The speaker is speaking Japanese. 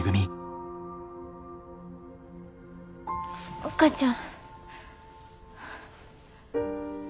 お母ちゃん。